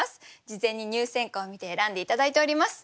事前に入選歌を見て選んで頂いております。